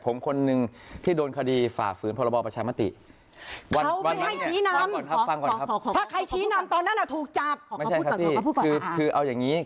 ผมคนนึงที่โดนคดีฝ่าฝืนพรประชามาติ